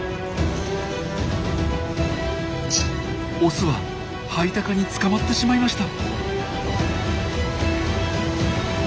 オスはハイタカに捕まってしまいました。